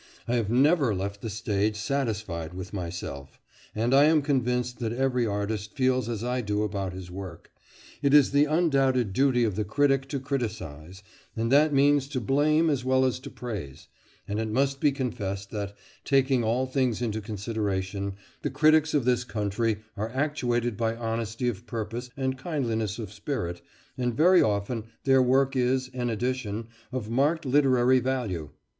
I have never left the stage satisfied with myself. And I am convinced that every artist feels as I do about his work. It is the undoubted duty of the critic to criticise, and that means to blame as well as to praise; and it must be confessed that, taking all things into consideration, the critics of this country are actuated by honesty of purpose and kindliness of spirit, and very often their work is, in addition, of marked literary value.